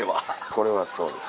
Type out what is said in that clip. これはそうです。